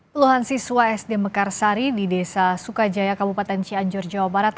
puluhan siswa sd mekarsari di desa sukajaya kabupaten cianjur jawa barat